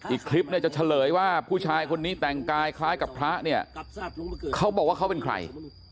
อีกคลิปเนี่ยจะเฉลยว่าผู้ชายคนนี้แต่งกายคล้ายกับพระเนี่ยเขาบอกว่าเขาเป็นใคร